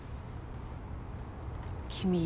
君